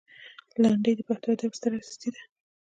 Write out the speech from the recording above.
لنډۍ د پښتو ادب ستره هستي ده.